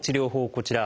こちら。